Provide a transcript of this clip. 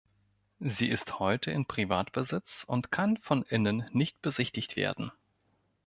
Sie ist heute in Privatbesitz und kann von innen nicht besichtigt werden.